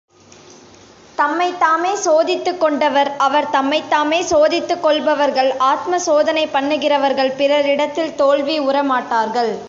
தம்மைத்தாமே சோதித்துக் கொண்டவர் அவர் தம்மைத்தாமே சோதித்துக் கொள்பவர்கள், ஆத்ம சோதனை பண்ணுகிறவர்கள், பிறரிடத்தில் தோல்வி உறமாட்டார்கள்.